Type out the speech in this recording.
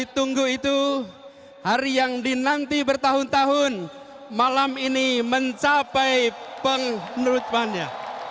selamat tahun malam ini mencapai penutupannya